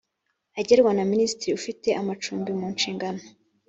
agenwa na Minisitiri ufite amacumbi munshingano